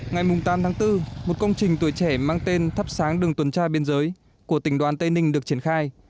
ngày tám tháng bốn một công trình tuổi trẻ mang tên thắp sáng đường tuần tra biên giới của tỉnh đoàn tây ninh được triển khai